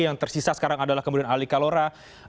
yang tersisa sekarang adalah kemudian ali kalora